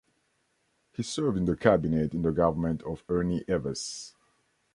He served in the cabinet in the government of Ernie Eves.